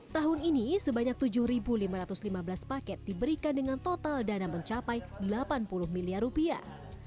tahun ini sebanyak tujuh lima ratus lima belas paket diberikan dengan total dana mencapai delapan puluh miliar rupiah